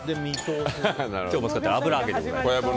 今日も使っている油揚げでございます。